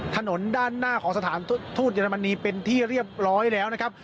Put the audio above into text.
ถนนด้านหน้าของสถานทูตเยอรมนีเป็นที่เรียบร้อยแล้วนะครับ